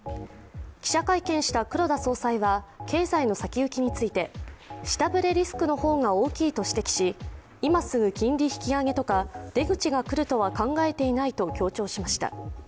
記者会見した黒田総裁は経済の先行きについて下振れリスクの方が大きいと指摘し、今すぐ金利引き上げとか出口が来るとは考えていないと強調しました。